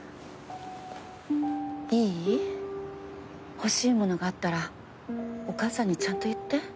欲しいものがあったらお母さんにちゃんと言って。